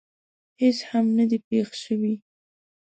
هېڅ هم نه دي پېښ شوي.